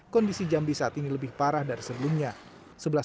kondisi jambi saat ini lebih parah dari sebelumnya